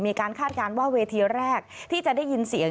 คาดการณ์ว่าเวทีแรกที่จะได้ยินเสียง